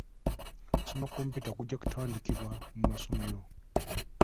Okusoma kompyuta kujja kutandikibwa mu masomero.